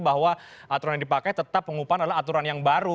bahwa aturan yang dipakai tetap pengupahan adalah aturan yang baru